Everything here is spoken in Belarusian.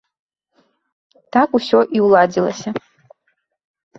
Так ўсё і ўладзілася.